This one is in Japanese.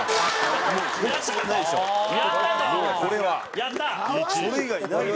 やったー！